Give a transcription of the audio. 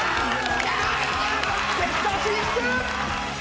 決勝進出！